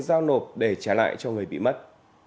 giao nộp để trả lại cho người bị mất